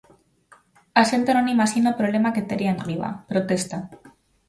A xente non imaxina o problema que tería enriba, protesta.